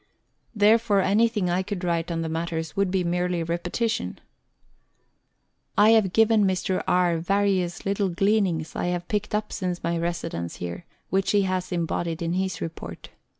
Therefore anything I could write on the matter would be merely repetition. I have given Mr. R. various little gleanings Letters from Victorian Pioneers. 1 1 I have picked up since my residence here, which he has embodied in his report.